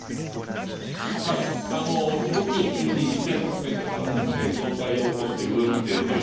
動きを急に見せ始めてから上体を起こして上を見ているという。